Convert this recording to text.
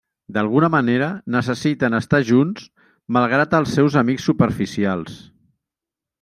D'alguna manera necessiten estar junts malgrat els seus amics superficials.